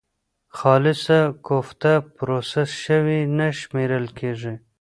خالصه کوفته پروسس شوې نه شمېرل کېږي.